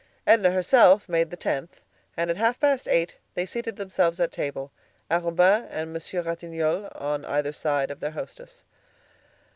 Edna herself made the tenth, and at half past eight they seated themselves at table, Arobin and Monsieur Ratignolle on either side of their hostess.